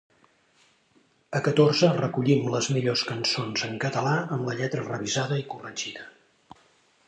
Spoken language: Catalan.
A Catorze recollim les millors cançons en català amb la lletra revisada i corregida